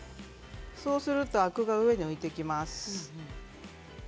そうするとアクが上に沸いてきます。